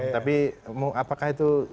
tapi apakah itu